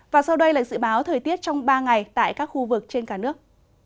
và sau đây là dự báo thời tiết trong ba ngày tại các khu vực trên cả nước